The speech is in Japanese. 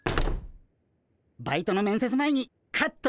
バイトの面接前にカットよろしく。